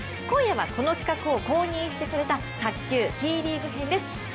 今夜はこの企画を公認してくれた卓球Ｔリーグ編です。